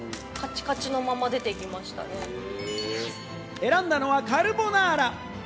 選んだのはカルボナーラ。